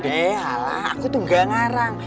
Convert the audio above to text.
eh lah aku tuh gak ngarang